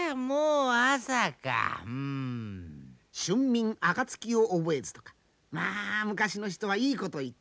「春眠暁を覚えず」とかまあ昔の人はいいこと言った。